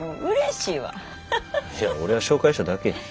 いや俺は紹介しただけや。